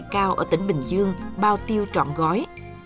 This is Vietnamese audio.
công nghệ cao ở tỉnh bình dương bao tiêu trọn gói